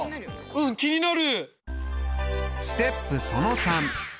うん気になる。